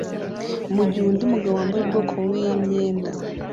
mugihe undi mugabo wambaye ubwoko bumwe yimyenda